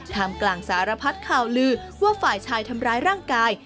มกลางสารพัดข่าวลือว่าฝ่ายชายทำร้ายร่างกาย